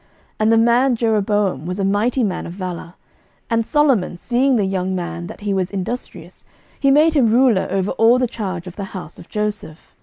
11:011:028 And the man Jeroboam was a mighty man of valour: and Solomon seeing the young man that he was industrious, he made him ruler over all the charge of the house of Joseph.